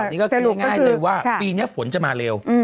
นี่ก็ขึ้นง่ายเลยว่าปีนี้ฝนจะมาเร็ว